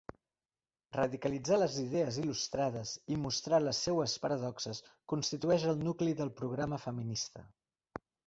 Radicalitzar les idees il·lustrades i mostrar les seues paradoxes constitueix el nucli del programa feminista.